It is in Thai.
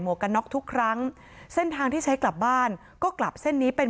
กันน็อกทุกครั้งเส้นทางที่ใช้กลับบ้านก็กลับเส้นนี้เป็น